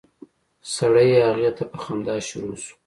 سړی هغې ته په خندا شروع شو.